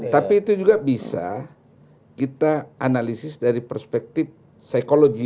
tapi itu juga bisa kita analisis dari perspektif psikologi